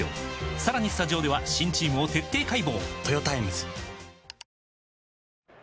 さらにスタジオでは新チームを徹底解剖！